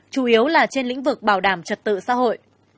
chủ yếu là trên lĩnh vực bảo đảm trật tự xã hội